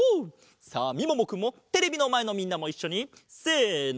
さあみももくんもテレビのまえのみんなもいっしょにせの！